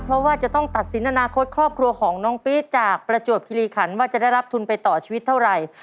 เพราะว่าจะต้องตัดสินอนาคตครอบครัวของน้องปี๊ดจากประจวบคิริขันว่าจะได้รับทุนไปต่อชีวิตเท่าไหร่